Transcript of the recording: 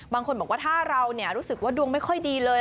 บางคนบอกว่าถ้าเรารู้สึกว่าดวงไม่ค่อยดีเลย